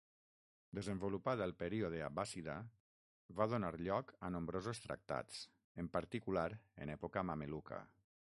Desenvolupat al període abbàssida, va donar lloc a nombrosos tractats, en particular en època mameluca.